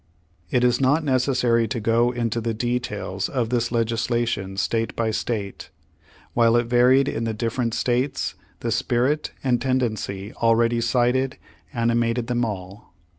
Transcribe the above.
It is not necessary to go into the details of this legis lation state by state. While it varied in the dif ferent states, the spirit and tendency already cited, animated them all.